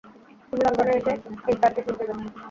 তুমি লন্ডনে এসে, এই চার্চে সুর দিবে।